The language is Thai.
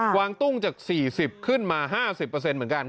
กวางตุ้งจาก๔๐ขึ้นมา๕๐เปอร์เซ็นต์เหมือนกัน